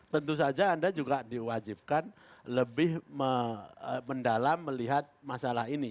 tentu saja anda juga diwajibkan lebih mendalam melihat masalah ini